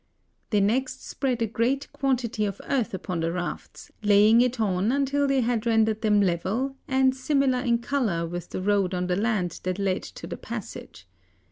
They next spread a great quantity of earth upon the rafts, laying it on until they had rendered them level, and similar in color with the road on the land that led to the passage.